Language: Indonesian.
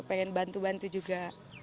pengen bantu bantu juga